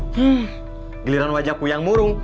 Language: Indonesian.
hmm giliran wajahku yang murung